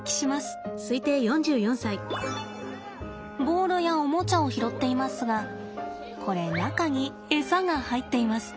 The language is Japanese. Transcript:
ボールやおもちゃを拾っていますがこれ中にエサが入っています。